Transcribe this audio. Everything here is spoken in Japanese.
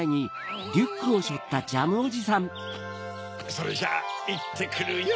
それじゃあいってくるよ。